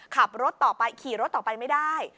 ขับรถต่อไปขี่รถต่อไปไม่ได้